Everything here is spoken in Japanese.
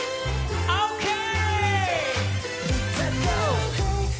オーケー！